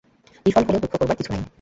বিফল হলেও দুঃখ করবার কিছু নাই।